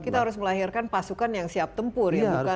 kita harus melahirkan pasukan yang siap tempur